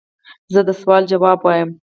زه د سوال ځواب وایم.